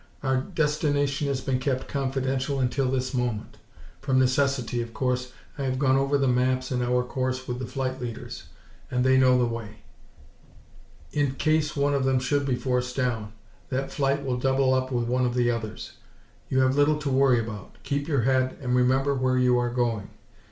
Our destination has been kept confidential until this moment. From necessity, of course, I have gone over the maps and our course with the flight leaders. They know the way. In case one of them should be forced down, that flight will double up with one of the others. You have little to worry about. Keep your head and remember where you are going.